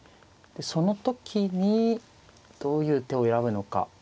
その時にどういう手を選ぶのか。